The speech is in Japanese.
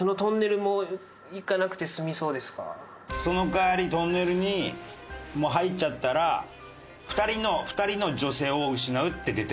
「その代わりトンネルにもう入っちゃったら２人の２人の女性を失うって出てる」。